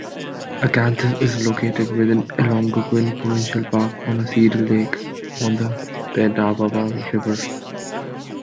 Acanthus is located within Algonquin Provincial Park on Cedar Lake on the Petawawa River.